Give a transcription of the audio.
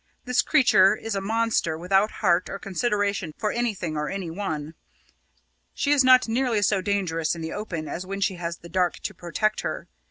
This creature is a monster without heart or consideration for anything or anyone. She is not nearly so dangerous in the open as when she has the dark to protect her.